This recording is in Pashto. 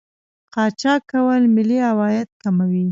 قاچاق کول ملي عواید کموي.